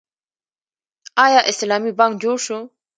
آیا اسلامي بانک جوړ شو؟